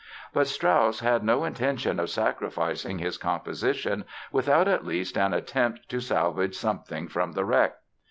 But Strauss had no intention of sacrificing his composition without at least an attempt to salvage something from the wreck.